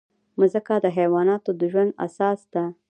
مځکه د حیواناتو د ژوند اساس ده.